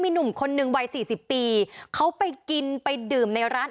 หนุ่มคนนึงวัยสี่สิบปีเขาไปกินไปดื่มในร้าน